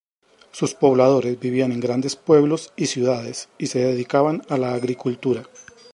Sus pobladores vivían en grandes pueblos y ciudades y se dedicaban a la agricultura.